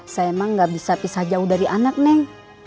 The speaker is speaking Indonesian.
saya emang gak bisa pisah jauh dari anak nih